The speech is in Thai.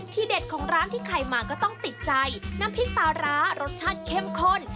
เด็ดของร้านที่ใครมาก็ต้องติดใจน้ำพริกปลาร้ารสชาติเข้มข้น